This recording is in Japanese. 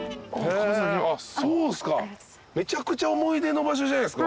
そうっすかめちゃくちゃ思い出の場所じゃないですか。